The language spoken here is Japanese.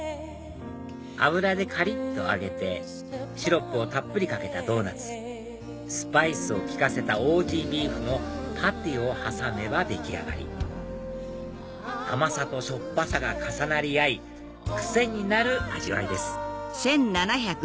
油でカリっと揚げてシロップをたっぷりかけたドーナツスパイスを利かせたオージービーフのパテを挟めば出来上がり甘さとしょっぱさが重なり合い癖になる味わいです